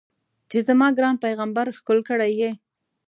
چې زما ګران پیغمبر ښکل کړی یې.